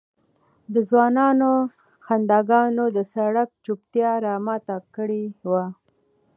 د ځوانانو خنداګانو د سړک چوپتیا را ماته کړې وه.